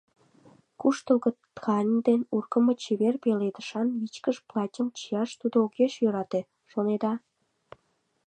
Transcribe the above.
Куштылго ткань дене ургымо, чевер пеледышан вичкыж платьым чияш тудо огеш йӧрате, шонеда?